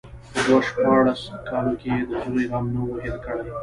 په دو شپاړسو کالو کې يې د زوى غم نه وي هېر کړى.